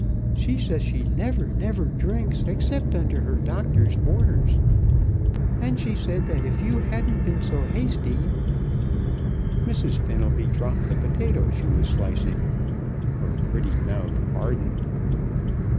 She says she never, never drinks except under her doctor's orders, and she said that if you hadn't been so hasty " Mrs. Fenelby dropped the potato she was slicing. Her pretty mouth hardened.